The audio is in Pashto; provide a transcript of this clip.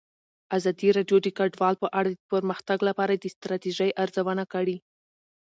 ازادي راډیو د کډوال په اړه د پرمختګ لپاره د ستراتیژۍ ارزونه کړې.